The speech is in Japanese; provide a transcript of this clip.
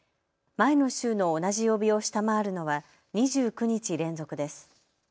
前の週の同じ曜日を下回るのは２９日連続です。